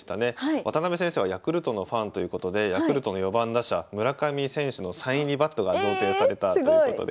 渡辺先生はヤクルトのファンということでヤクルトの４番打者村上選手のサイン入りバットが贈呈されたということで。